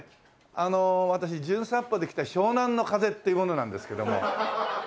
あの私『じゅん散歩』で来た湘南乃風っていう者なんですけども。